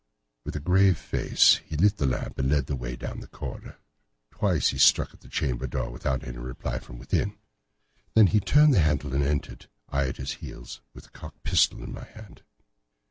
With a grave face he lit the lamp and led the way down the corridor. Twice he struck at the chamber door without any reply from within. Then he turned the handle and entered, I at his heels, with the cocked pistol in my hand.